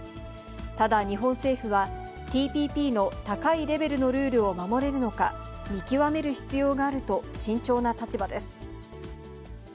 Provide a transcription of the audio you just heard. ただ、日本政府は、ＴＰＰの高いレベルのルールを守れるのか、見極める必要があると慎重な立場です。